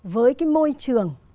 với cái môi trường